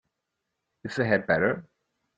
Is the head better?